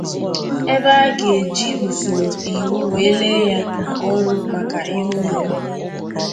ebe a ga-eji usoro iwu wee lee ya ọrụ maka ihe o mere.